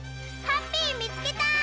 ハッピーみつけた！